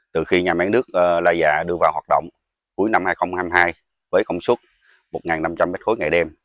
từ khi nhà máy nước la gia đưa vào hoạt động cuối năm hai nghìn hai mươi hai với công suất một năm trăm linh m ba ngày đêm